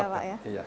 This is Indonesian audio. iya terapkan iya